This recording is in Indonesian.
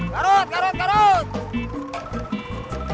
garut garut garut